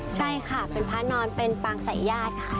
ใช่ค่ะเป็นพระนอนเป็นปางสายญาติค่ะ